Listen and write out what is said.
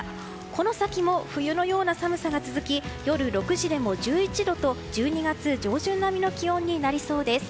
この先も冬のような寒さが続き夜６時でも１１度と１２月上旬並みの気温になりそうです。